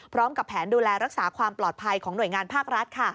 พร้อมกับแผนดูแลรักษาความปลอดภัยของหน่วยงานภาครัฐ